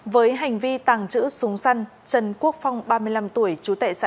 với hành vi tàng trữ súng săn trần quốc phong ba mươi năm tuổi chú tệ xã